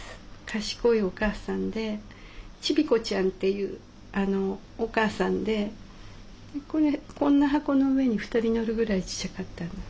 賢いお母さんでチビコちゃんっていうお母さんでこれこんな箱の上に２人乗るぐらいちっちゃかったの。